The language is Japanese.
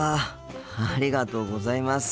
ありがとうございます。